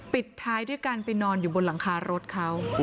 ปิดท้ายด้วยการไปนอนอยู่บนหลังคารถเขา